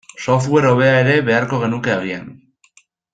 Software hobea ere beharko genuke agian.